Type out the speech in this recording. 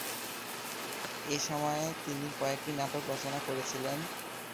এই সময়ে তিনি কয়েকটি নাটক রচনা করেছিলেন।